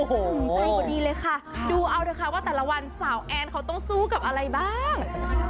อืมใช่กว่านี้เลยค่ะค่ะดูเอาด้วยค่ะว่าแต่ละวันสาวแอนเขาต้องสู้กับอะไรบ้าง